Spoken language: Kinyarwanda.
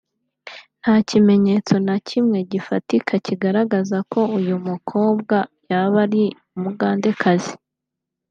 nta kimenyetso na kimwe gifatika kigaragaza ko uyu mukobwa yaba ari umugandekazi